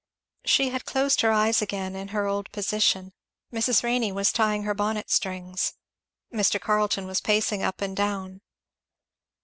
She had closed her eyes again in her old position. Mrs. Renney was tying her bonnet strings. Mr. Carleton was pacing up and down.